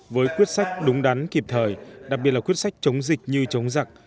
với quyết sách đúng đắn kịp thời đặc biệt là quyết sách chống dịch như chống giặc